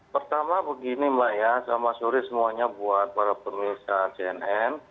pertama begini mbak ya selamat sore semuanya buat para pemirsa cnn